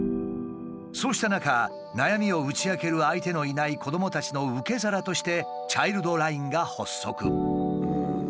そうした中悩みを打ち明ける相手のいない子どもたちの受け皿としてチャイルドラインが発足。